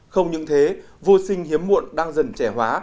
không những thế vô sinh hiếm muộn đang dần trẻ hóa